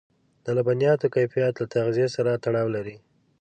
د لبنیاتو کیفیت له تغذيې سره تړاو لري.